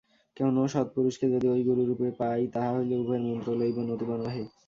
কোন সৎপুরুষকে যদি গুরুরূপে পাই, তাহা হইলে উভয়ে মন্ত্র লইব, নতুবা নহে।